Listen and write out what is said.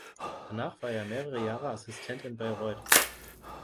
Danach war er mehrere Jahre Assistent in Bayreuth.